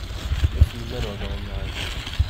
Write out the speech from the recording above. Es viņu nenogalināju.